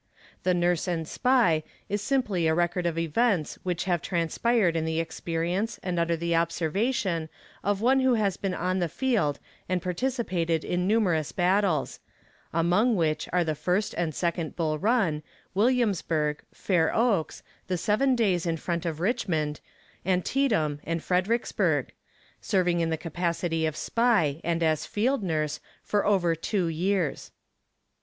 The "Nurse and Spy" is simply a record of events which have transpired in the experience and under the observation of one who has been on the field and participated in numerous battles among which are the first and second Bull Run, Williamsburg, Fair Oaks, the Seven days in front of Richmond, Antietam, and Fredericksburg serving in the capacity of "Spy" and as "Field Nurse" for over two years.